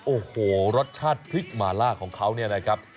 โอ้โหรสชาติพริกหมาล่าของเขาเนี่ยนะครับ